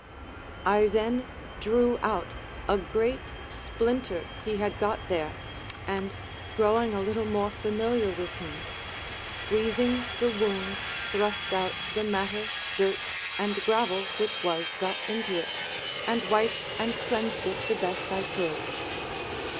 I then drew out a great splinter he had got there, and, growing a little more familiar with him, squeezing the wound thrust out the matter, dirt, and gravel which was got into it, and wiped and cleansed it the best I could.